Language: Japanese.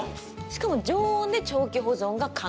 しかも常温で長期保存が可能なんです。